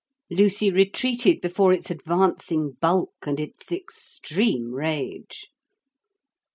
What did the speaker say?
Lucy retreated before its advancing bulk and its extreme rage.